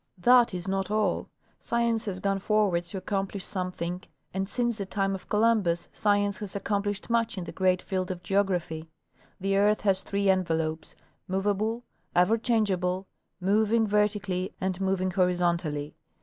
That is not all. Science has gone forward to accomplish something, and since the time of Columbus science has accom plished much in the great field of geography. The earth has three envelopes, movable, ever changeable, moving vertically and moving horizontally.